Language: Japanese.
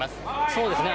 そうですね。